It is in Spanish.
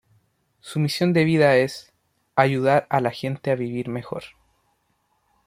Su misión de vida es "Ayudar a la gente a vivir mejor".